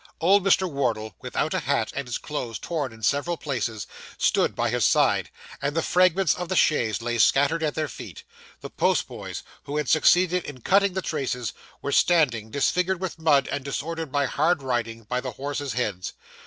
Old Mr. Wardle without a hat, and his clothes torn in several places, stood by his side, and the fragments of the chaise lay scattered at their feet. The post boys, who had succeeded in cutting the traces, were standing, disfigured with mud and disordered by hard riding, by the horses' heads.